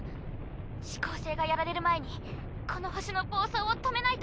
四煌星がやられる前にこの星の暴走を止めないと。